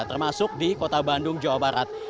termasuk di kota bandung jawa barat